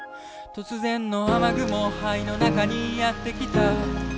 「突然の雨雲肺の中にやってきた」